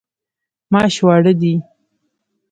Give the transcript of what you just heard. ماش واړه دي.